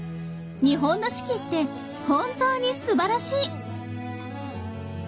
日本の四季って本当に素晴らしい！」